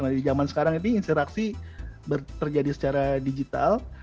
dari zaman sekarang ini interaksi terjadi secara digital